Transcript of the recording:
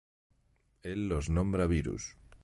Él los nombra virus.